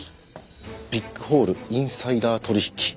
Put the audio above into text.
「ビッグホールインサイダー取引」